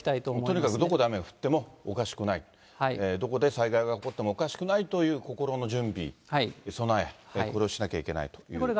とにかくどこで雨が降ってもおかしくない、どこで災害が起こってもおかしくないという心の準備、備え、これをしなきゃいけないということですね。